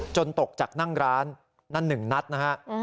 จนตกจากนั่งร้านนั่นหนึ่งนัดนะครับ